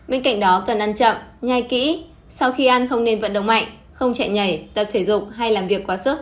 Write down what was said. bên cạnh đó cần ăn chậm nhai kỹ sau khi ăn không nên vận động mạnh không chạy nhảy tập thể dục hay làm việc quá sức